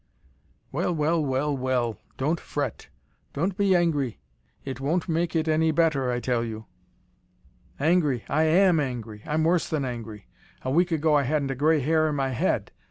"Well well, well well, don't fret. Don't be angry, it won't make it any better, I tell you." "Angry! I AM angry. I'm worse than angry. A week ago I hadn't a grey hair in my head.